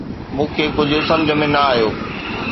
مون کي ڪجهه سمجهه ۾ نه آيو.